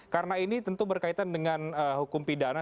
karena ini tentu berkaitan dengan hukum pidana